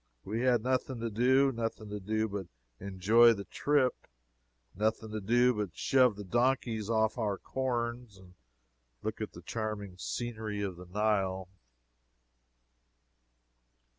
We had nothing to do; nothing to do but enjoy the trip; nothing to do but shove the donkeys off our corns and look at the charming scenery of the Nile.